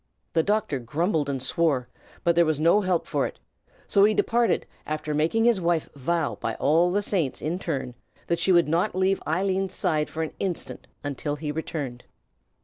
The doctor grumbled and swore, but there was no help for it; so he departed, after making his wife vow by all the saints in turn, that she would not leave Eileen's side for an instant until he returned.